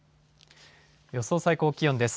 予想最高気温です。